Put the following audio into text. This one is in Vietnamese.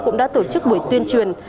cũng đã tổ chức buổi tuyên truyền